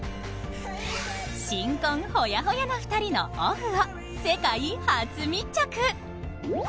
新婚ホヤホヤの２人のオフを世界初密着。